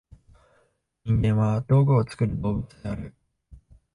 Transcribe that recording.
人間は「道具を作る動物」である。